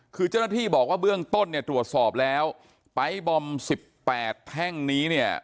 คือเจ้าหน้าที่บอกว่าเบื้องต้นตรวจสอบแล้วไฟล์บอม๑๘แท่งนี้